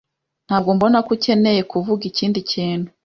Ntabwo mbona ko ukeneye kuvuga ikindi kintu.